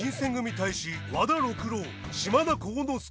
隊士和田六郎島田幸之介。